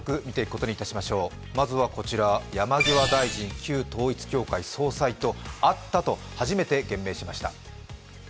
まずはこちら山際大臣旧統一教会総裁と会ったと初めて言明しました。